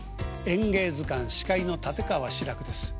「演芸図鑑」司会の立川志らくです。